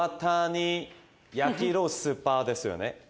焼きのスーパーですよね。